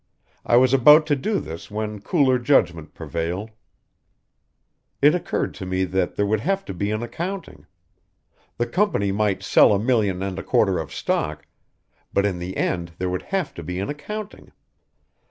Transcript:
I was about to do this when cooler judgment prevailed. It occurred to me that there would have to be an accounting. The company might sell a million and a quarter of stock but in the end there would have to be an accounting.